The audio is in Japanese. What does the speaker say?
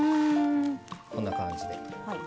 こんな感じで。